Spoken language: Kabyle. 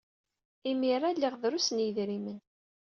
Imir-a, liɣ drus n yidrimen.